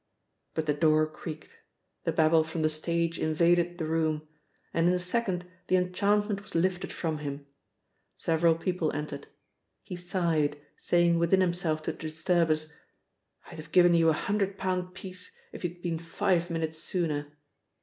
But the door creaked. The babble from the stage invaded the room. And in a second the enchantment was lifted from him. Several people entered. He sighed, saying within himself to the disturbers: "I'd have given you a hundred pound piece if you'd been five minutes sooner."